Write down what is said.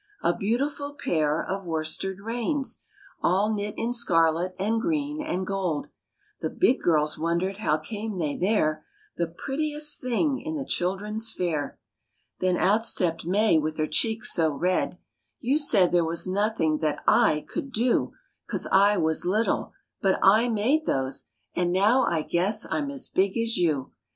A beautiful pair of worsted reins, All knit in scarlet and green and gold. The "big girls" wondered how came they there "The prettiest thing in the children's fair!" Then out stepped May, with her cheeks so red: "You said there was nothing that I could do, 'Cause I was little; but I made those, And now, I guess, I'm as big as you!"